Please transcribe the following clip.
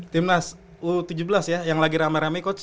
timnas u tujuh belas ya yang lagi rame rame coach